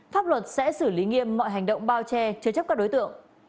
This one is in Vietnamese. pháp luật sẽ xử lý nghiêm mọi hành động bao che chứa chấp các đối tượng